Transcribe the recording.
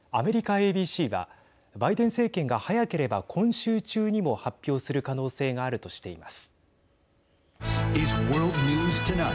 ＡＢＣはバイデン政権が早ければ今週中にも発表する可能性があるとしています。